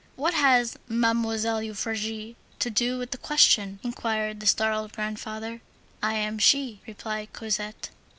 "What has Mademoiselle Euphrasie to do with the question?" inquired the startled grandfather. "I am she," replied Cosette.